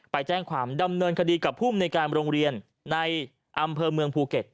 ไปแจ้งความดำเนินคดีกับภูมิในการโรงเรียนในอำเภอเมืองภูเก็ต